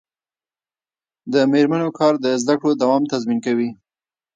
د میرمنو کار د زدکړو دوام تضمین کوي.